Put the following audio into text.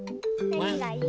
なにがいい？